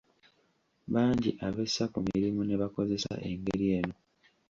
Bangi abessa ku mirimu ne bakozesa engeri eno.